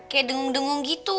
kayak dengung dengung gitu